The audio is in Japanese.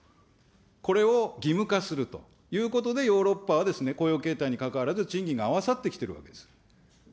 これを義務化するということで、ヨーロッパは雇用形態にかかわらず、賃金が合わさってきているんです。